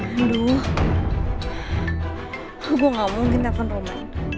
aduh gue gak mungkin telfon roman